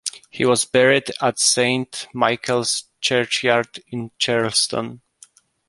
He was buried at Saint Michael's Churchyard in Charleston.